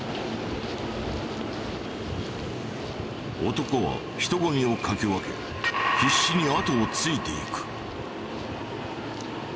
男は人ごみをかき分け必死にあとをついていく。